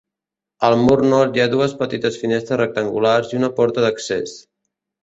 Al mur nord hi ha dues petites finestres rectangulars i una porta d'accés.